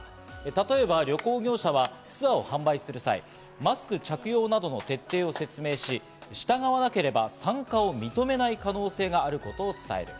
例えば旅行業者はツアーを販売する際、マスク着用などの徹底を説明し、従わなければ参加を認めない可能性があることを伝える。